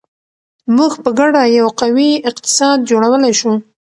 موږ په ګډه یو قوي اقتصاد جوړولی شو.